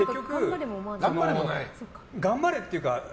頑張れっていうか